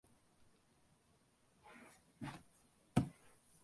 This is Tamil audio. நடப்பது காங்கிரஸ் மந்திரிசபை.